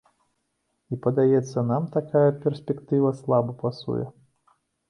І, падаецца, нам такая перспектыва слаба пасуе.